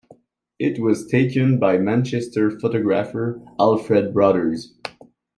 It was taken by Manchester photographer Alfred Brothers.